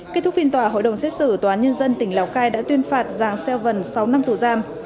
kết thúc phiên tòa hội đồng xét xử tòa án nhân dân tỉnh lào cai đã tuyên phạt giàng xeo vần sáu năm tù giam